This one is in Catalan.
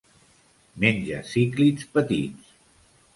Menja cíclids petits.